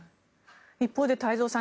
一方で太蔵さん